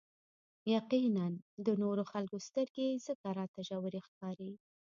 يقيناً د نورو خلکو سترګې ځکه راته ژورې ښکاري.